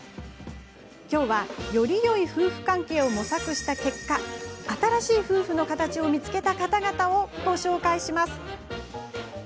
きょうは、よりよい夫婦関係を模索した結果新しい夫婦の形を見つけた方々をご紹介します。